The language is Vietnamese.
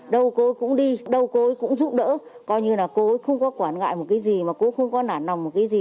đâu cô cũng đi đâu cô ấy cũng giúp đỡ coi như là cô ấy không có quản ngại một cái gì mà cô không có nả nòng một cái gì